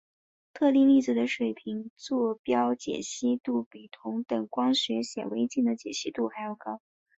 特定粒子的水平座标解析度比同等光学显微镜的解析度还要高。